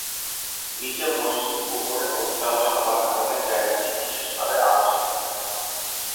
নিচে মসজিদ, উপরে পতিতালয় হবার কারণে জায়গাটি বিশেষভাবে আলোচিত।